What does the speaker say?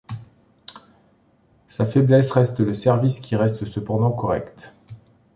Sa faiblesse reste le service qui reste cependant correct.